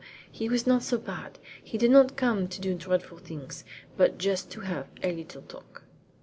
He was not so bad. He did not come to do dreadful things, but just to have a little talk.''